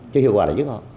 chứ hiệu quả là chứ không